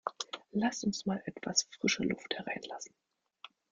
Lass uns mal etwas frische Luft hereinlassen!